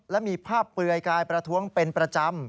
และมีภาพเปลือยกายประท้วงเป็นประจำ